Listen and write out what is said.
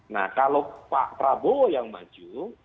nah kalau pak prabowo yang maju